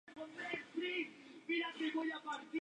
Heródoto es el único escritor antiguo que los menciona.